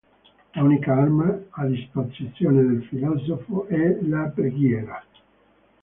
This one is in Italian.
L'unica arma a disposizione del filosofo è la preghiera.